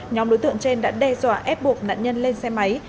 nhóm đối tượng trên đã đe dọa ép buộc nạn nhân lên xe máy